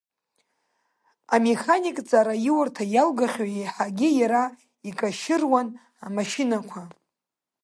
Амеханик ҵараиурҭа иалгахьоу еиҳагьы иара икашьыруан амашьынқәа.